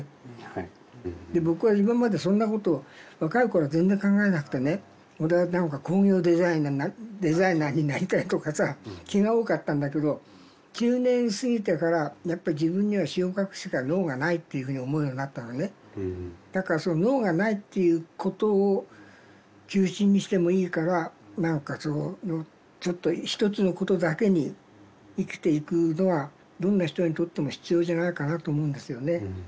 はい僕は今までそんなこと若い頃は全然考えなくてね俺は何か工業デザイナーになりたいとかさ気が多かったんだけど１０年過ぎてからやっぱり自分には詩を書くしか能がないっていうふうに思うようになったのねだから能がないっていうことを中心にしてもいいから一つのことだけに生きていくのはどんな人にとっても必要じゃないかなと思うんですよね